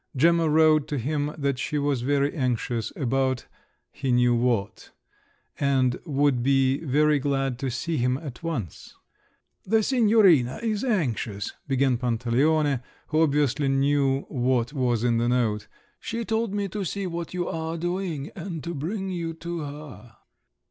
Gemma wrote to him that she was very anxious—about he knew what—and would be very glad to see him at once. "The Signorina is anxious," began Pantaleone, who obviously knew what was in the note, "she told me to see what you are doing and to bring you to her."